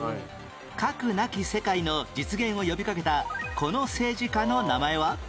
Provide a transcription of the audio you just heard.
核なき世界の実現を呼びかけたこの政治家の名前は？